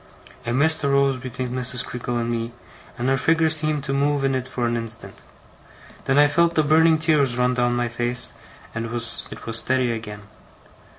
A mist rose between Mrs. Creakle and me, and her figure seemed to move in it for an instant. Then I felt the burning tears run down my face, and it was steady again.